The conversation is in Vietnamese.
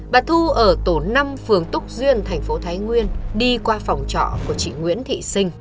bà thu ở tổ năm phường túc duyên thành phố thái nguyên đi qua phòng trọ của chị nguyễn thị sinh